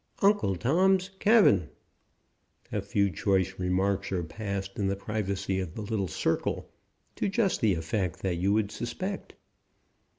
UNCLE TOM'S CABIN" A few choice remarks are passed in the privacy of the little circle, to just the effect that you would suspect.